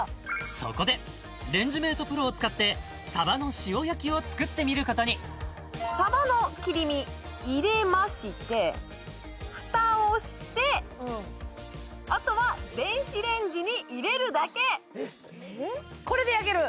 そこでレンジメートプロを使ってさばの塩焼きを作ってみることにさばの切り身入れましてフタをしてあとは電子レンジに入れるだけえっこれで焼ける？